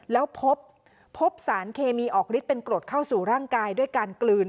แล้วพบพบสารเคมีออกฤทธิเป็นกรดเข้าสู่ร่างกายด้วยการกลืน